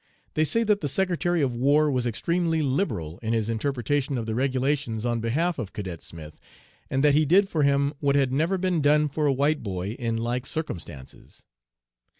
They say that the Secretary of War was extremely liberal in his interpretation of the regulations on behalf of Cadet Smith, and that he did for him what had never been done for a white boy in like circumstances.